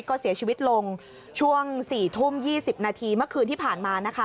ก็เสียชีวิตลงช่วง๔ทุ่ม๒๐นาทีเมื่อคืนที่ผ่านมานะคะ